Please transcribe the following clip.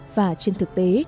và trên thực tế